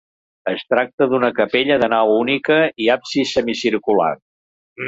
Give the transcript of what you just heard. Es tracta d'una capella de nau única i absis semicircular.